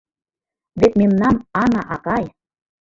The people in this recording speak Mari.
Вет мемнам Ана акай